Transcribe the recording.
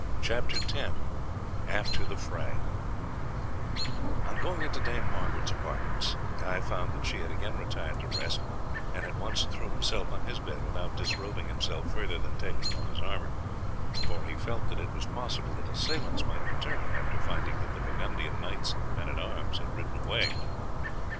CHAPTER X AFTER THE FRAY On going into Dame Margaret's apartments Guy found that she had again retired to rest, and at once threw himself on his bed without disrobing himself further than taking off his armour, for he felt that it was possible the assailants might return after finding that the Burgundian knights and men at arms had ridden away.